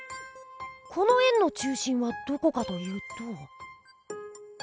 この円の中心はどこかというと。